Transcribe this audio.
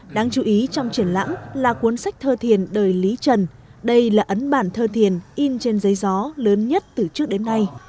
đáng chú ý trong triển lãm là cuốn sách thơ thiền đời lý trần đây là ấn bản thơ thiền in trên giấy gió lớn nhất từ trước đến nay